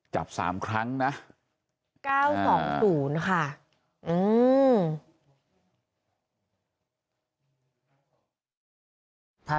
จับสามครั้งนะสองสูงนะคะอืม